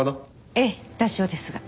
ええ多少ですが。